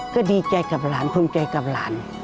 ก็ดีใจกับหลานภูมิใจกับหลาน